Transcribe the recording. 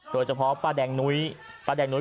โดยเฉพาะป้าแดงหนุ๊ย